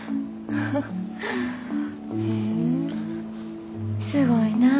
ふんすごいなあ。